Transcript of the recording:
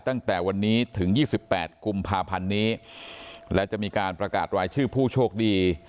ตั้งแต่วันนี้ถึง๒๘กุมภาพันธ์นี้และจะมีการประกาศรายชื่อผู้โชคดี